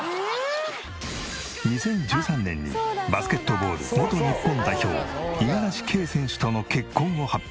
２０１３年にバスケットボール元日本代表五十嵐圭選手との結婚を発表。